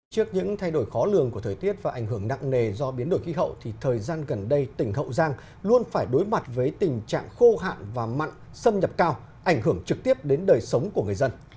trước những thay đổi khó lường của thời tiết và ảnh hưởng nặng nề do biến đổi khí hậu thì thời gian gần đây tỉnh hậu giang luôn phải đối mặt với tình trạng khô hạn và mặn xâm nhập cao ảnh hưởng trực tiếp đến đời sống của người dân